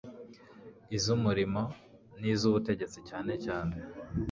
iz umurimo n izubutegetsi cyane cyane